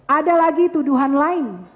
ada lagi tuduhan lain